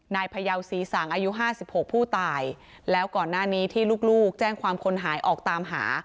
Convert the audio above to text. พยาวศรีสังอายุห้าสิบหกผู้ตายแล้วก่อนหน้านี้ที่ลูกแจ้งความคนหายออกตามหา